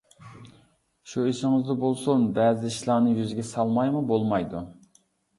شۇ ئېسىڭىزدە بولسۇن، بەزى ئىشلارنى يۈزىگە سالمايمۇ بولمايدۇ.